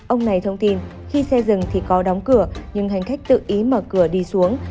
ông này thông tin khi xe dừng thì có đóng cửa nhưng hành khách tự ý mở cửa đi xuống